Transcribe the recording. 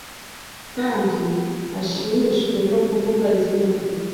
kandi ashimishwe no kuvuga izina rye